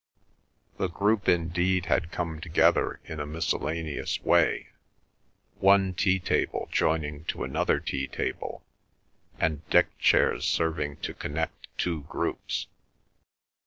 The group indeed had come together in a miscellaneous way; one tea table joining to another tea table, and deck chairs serving to connect two groups.